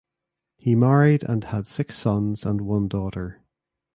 He married and had six sons and one daughter.